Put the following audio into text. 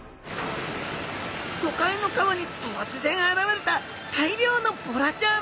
都会の川に突然現れた大量のボラちゃん。